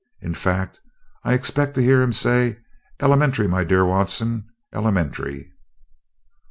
In fact, I expect to hear him say 'elementary, my dear Watson, elementary'!"